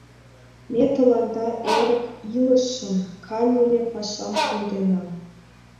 Ме тыланда эрык илышым, каньыле пашам кондена.